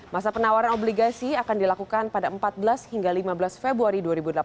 masa penawaran obligasi akan dilakukan pada empat belas hingga lima belas februari